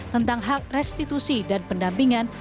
tentang hak restitusi dan pendampingan